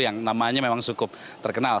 yang namanya memang cukup terkenal